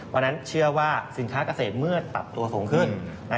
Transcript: เพราะฉะนั้นเชื่อว่าสินค้าเกษตรเมื่อปรับตัวสูงขึ้น